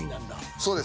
そうです。